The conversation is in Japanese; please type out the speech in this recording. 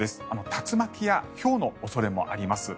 竜巻やひょうの恐れもあります。